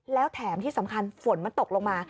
แล้วแถมที่สำคัญฝนมันตกลงมา